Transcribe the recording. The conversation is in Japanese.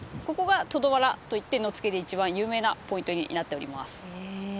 ここが「トドワラ」といって野付で一番有名なポイントになっております。